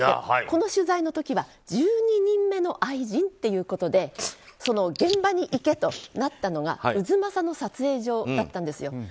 この取材の時は１２人目の愛人っていうことで現場に行けとなったのが太秦の撮影所だったんですよ。